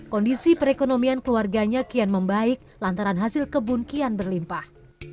kondisi perekonomian keluarganya kian membaik lantaran hasil kebun kian berlimpah